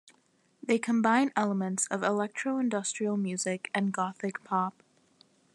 They combine elements of electro-industrial music and gothic pop.